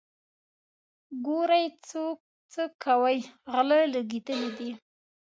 ګورئ څو کوئ غله لګېدلي دي.